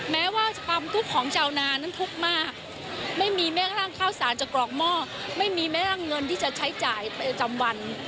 แม้ว่าความทุกข์ของชาวนานั้นทุกข์มากไม่มีแม้กระทั่งข้าวสารจะกรอกหม้อไม่มีแม้กระทั่งเงินที่จะใช้จ่ายประจำวัน